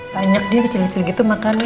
banyak dia kecil kecil gitu makannya